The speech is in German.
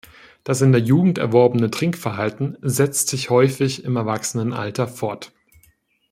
Das in der Jugend erworbene Trinkverhalten setzt sich häufig im Erwachsenenalter fort.